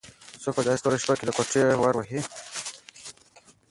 څوک په داسې توره شپه کې د کوټې ور وهي؟